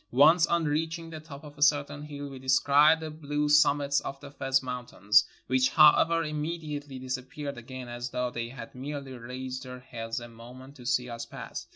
Once on reaching the top of a certain hill we descried the blue summits of the Fez Mountains, which, however, imme diately disappeared again as though they had inerely raised their heads a moment to see us pass.